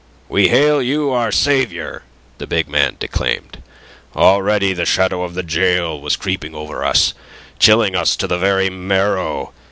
"We hail you our saviour!" the big man declaimed. "Already the shadow of the gaol was creeping over us, chilling us to the very marrow.